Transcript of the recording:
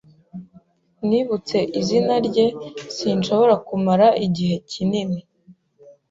Nibutse izina rye, sinshobora kumara igihe kinini.